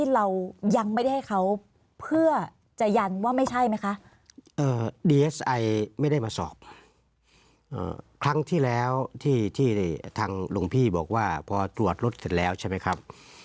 แล้วที่ทางหลวงพี่บอกว่าพอตรวจรถเสร็จแล้วใช่ไหมครับ